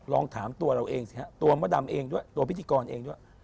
ลองถามตัวเราเองสิฮะตัวมดดำเองด้วยตัวพิธีกรเองด้วย